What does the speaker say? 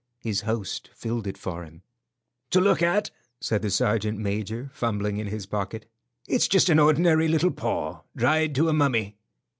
His host filled it for him. "To look at," said the sergeant major, fumbling in his pocket, "it's just an ordinary little paw, dried to a mummy."